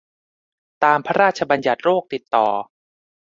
ตามพระราชบัญญัติโรคติดต่อ